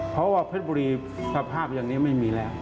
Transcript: เพราะว่าเพชรบุรีสภาพอย่างนี้ไม่มีแล้ว